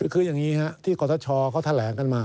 คืออย่างนี้ที่กรทชเขาแถลงกันมา